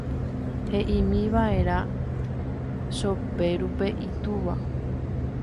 He'ímiva'erã Choperúpe itúva.